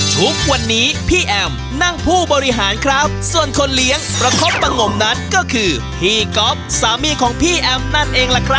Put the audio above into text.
ทุกวันนี้พี่แอมนั่งผู้บริหารครับส่วนคนเลี้ยงประคบประงมนั้นก็คือพี่ก๊อฟสามีของพี่แอมนั่นเองล่ะครับ